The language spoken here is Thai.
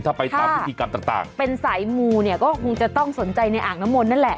ถ้าไปตามพิธีกรรมต่างเป็นสายมูเนี่ยก็คงจะต้องสนใจในอ่างน้ำมนต์นั่นแหละ